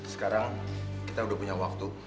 sekarang kita udah punya waktu